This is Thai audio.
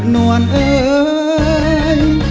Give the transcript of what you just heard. น้วนเอ้ย